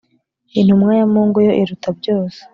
Intumwa ya Mungu yo iruta byose.